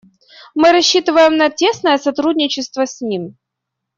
Мы рассчитываем на тесное сотрудничество с ним.